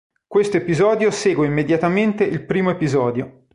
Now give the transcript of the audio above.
Questo episodio segue immediatamente il primo episodio.